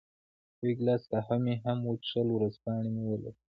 یو ګیلاس قهوه مې هم وڅېښل، ورځپاڼې مې ولوستې.